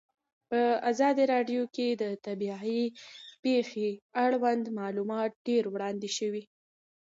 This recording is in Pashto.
په ازادي راډیو کې د طبیعي پېښې اړوند معلومات ډېر وړاندې شوي.